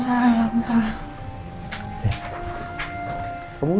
assalamu'alaikum wa raamahumma'alaikum wa rahman wabarakatuh